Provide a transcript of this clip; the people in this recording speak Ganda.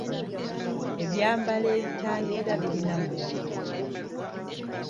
Ebyambalo ebitangira birina mugaso ki?